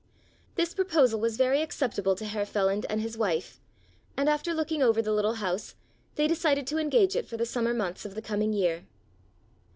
This proposal was very acceptable to Herr Feland and his wife, and, after looking over the little house, they decided to engage it for the Summer months of the coming year.